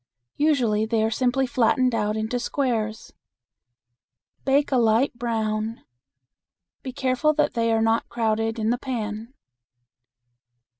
Usually they are simply flattened out into squares. Bake a light brown. Be careful that they are not crowded in the pan.